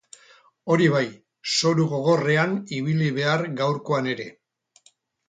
Hori bai, zoru gogorrean ibili behar gaurkoan ere.